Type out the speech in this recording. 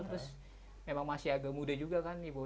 terus memang masih agak muda juga kan ibu